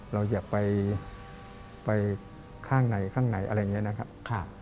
เราอย่าไปข้างในครับ